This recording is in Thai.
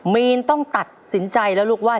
มีนต้องตัดสินใจแล้วลูกว่า